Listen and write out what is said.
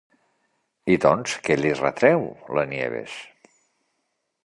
I doncs, què li retreu la Nieves?